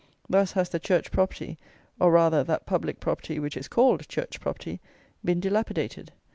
Thus has the church property, or, rather, that public property which is called church property, been dilapidated!